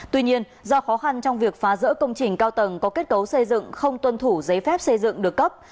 tuy nhiên do khó khăn trong việc phá rỡ công trình cao tầng có kết cấu xây dựng không tuân thủ giấy phép xây dựng được cấp